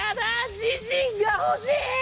自信が欲しい！